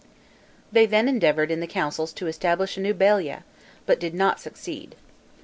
They then endeavored in the councils to establish a new balia, but did not succeed.